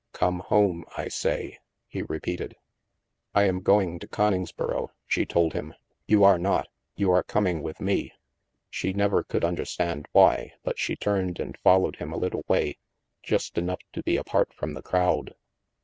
Come home, I say," he repeated. I am going to Coningsboro," she told him. You are not. You are coming with me." She never could understand why, but she turned and followed him a little way, just enough to be apart from the crowd.